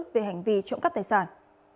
về hành vi trộm cắp tài sản